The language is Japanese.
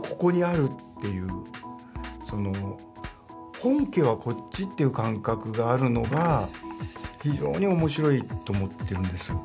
本家はこっちという感覚があるのが非常に面白いと思ってるんです。